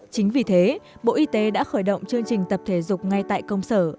chính vì thế bộ y tế đã khởi động chương trình tập thể dục ngay tại công sở